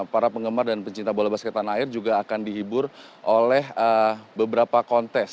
para penggemar dan pencinta bola basket tanah air juga akan dihibur oleh beberapa kontes